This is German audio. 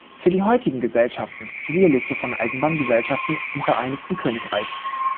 Für die heutigen Gesellschaften, siehe Liste von Eisenbahngesellschaften im Vereinigten Königreich.